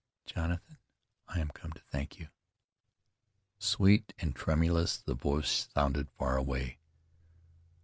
"Jonathan, I am come to thank you." Sweet and tremulous, the voice sounded far away.